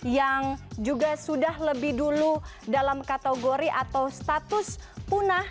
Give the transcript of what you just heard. yang juga sudah lebih dulu dalam kategori atau status punah